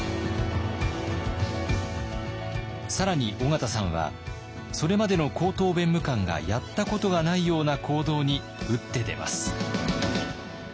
更に緒方さんはそれまでの高等弁務官がやったことがないような行動に打って出ます。